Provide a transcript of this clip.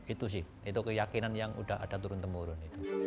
itu sih itu keyakinan yang udah ada turun temurun